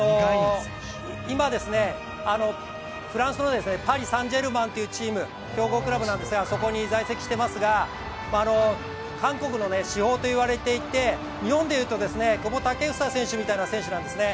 今、フランスのパリ・サン＝ジェルマンというチーム強豪クラブなんですがそこに在籍していますが、韓国の至宝と言われていて、日本でいうと久保建英選手みたいな選手なんですね。